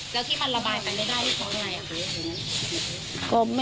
แล้วที่มันระบายไปได้ได้ที่ของอะไรอ่ะ